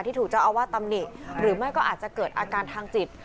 ถูกเจ้าอาวาสตำหนิหรือไม่ก็อาจจะเกิดอาการทางจิต